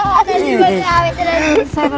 saya permisi dulu lah sama ustadz